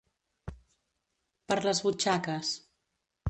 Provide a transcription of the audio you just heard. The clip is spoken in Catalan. Per les butxaques.